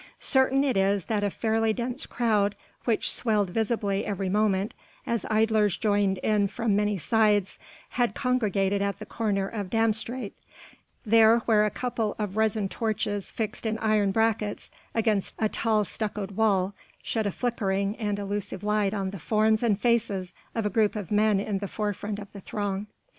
Certain it is that a fairly dense crowd, which swelled visibly every moment as idlers joined in from many sides, had congregated at the corner of Dam Straat, there where a couple of resin torches fixed in iron brackets against a tall stuccoed wall, shed a flickering and elusive light on the forms and faces of a group of men in the forefront of the throng.